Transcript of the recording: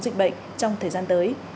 dịch bệnh trong thời gian tới